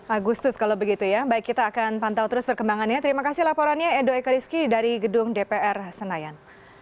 agustus kalau begitu ya baik kita akan pantau terus perkembangannya terima kasih laporannya edo eka rizky dari gedung dpr senayan